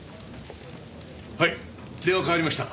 はい電話代わりました。